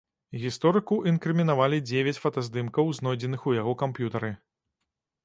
Гісторыку інкрымінавалі дзевяць фотаздымкаў, знойдзеных у яго камп'ютары.